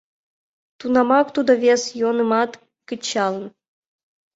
Тунамак тудо вес йӧнымат кычалын.